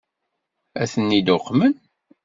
Ad ten-id-uqmen?